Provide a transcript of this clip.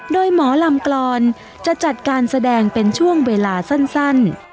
โดยหมอลำกรอนจะจัดการแสดงเป็นช่วงเวลาสั้น